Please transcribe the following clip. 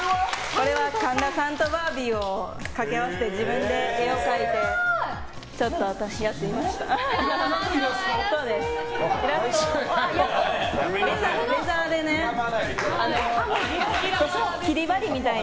これは神田さんとバービーを掛け合わせて自分で絵を描いてやってみました。可愛らしい。